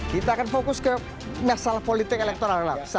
kita akan fokus ke masalah politik elektoral